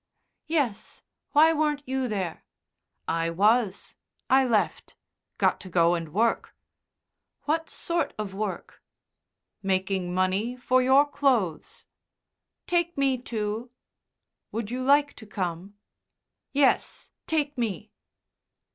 "Yes. Why weren't you there?" "I was. I left. Got to go and work." "What sort of work?" "Making money for your clothes." "Take me too." "Would you like to come?" "Yes. Take me."